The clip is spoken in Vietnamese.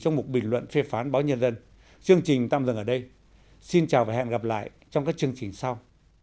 trong một bình luận phê phán báo nhân dân chương trình tạm dừng ở đây xin chào và hẹn gặp lại trong các chương trình sau